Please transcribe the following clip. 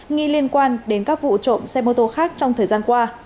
nghi liên quan đến các vụ trộm xe mô tô khác trong thời gian qua